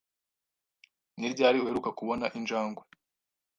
Ni ryari uheruka kubona injangwe?